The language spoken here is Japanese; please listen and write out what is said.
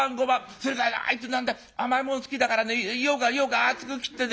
それからあいつ甘いもん好きだからねようかんようかん厚く切ってね。